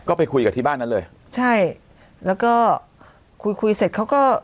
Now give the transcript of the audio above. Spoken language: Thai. ก็ไปคุยกับที่บ้านนั้นเลยใช่แล้วก็คุยคุยเสร็จเขาก็